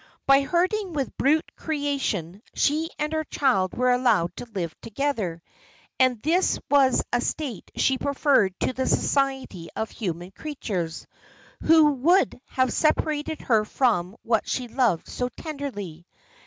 By herding with the brute creation, she and her child were allowed to live together; and this was a state she preferred to the society of human creatures, who would have separated her from what she loved so tenderly.